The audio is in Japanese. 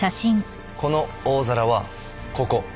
この大皿はここ。